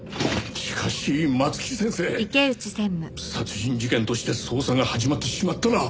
しかし松木先生殺人事件として捜査が始まってしまったら。